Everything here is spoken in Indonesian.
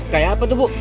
kayak apa tuh bu